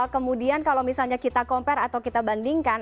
kemudian kalau misalnya kita compare atau kita bandingkan